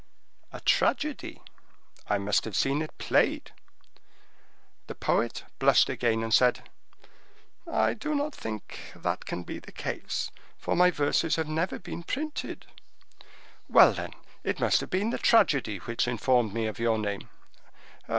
"A tragedy." "I must have seen it played." The poet blushed again, and said: "I do not think that can be the case, for my verses have never been printed." "Well, then, it must have been the tragedy which informed me of your name."